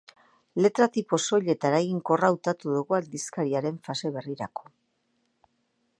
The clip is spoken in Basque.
Letra-tipo soil eta eraginkorra hautatu dugu aldizkariaren fase berrirako.